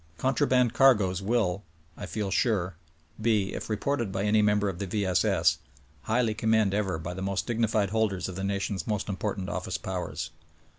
Con traband cargoes will, I feel sure, be — if reported by any member of the V. S. S. —highly commend ever by the most dignified holders of the nation's most im portant office powers.